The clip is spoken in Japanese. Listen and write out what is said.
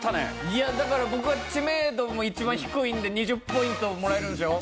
いやだから僕は知名度も一番低いんで２０ポイントもらえるんでしょ？